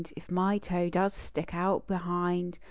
my toe does stick out behind.